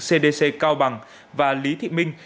cdc cao bằng và lý thị minh